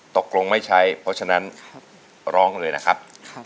ตกลงไม่ใช้เพราะฉะนั้นร้องกันเลยนะครับ